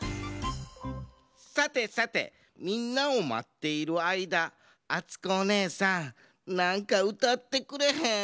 さてさてみんなをまっているあいだあつこおねえさんなんかうたってくれへん？